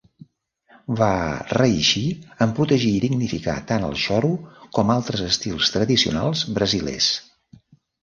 Va reeixir en protegir i dignificar tant el xoro com altres estils tradicionals brasilers.